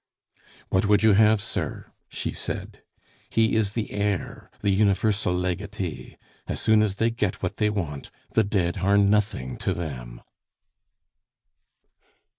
"What would you have, sir!" she said. "He is the heir, the universal legatee. As soon as they get what they want, the dead are nothing to them."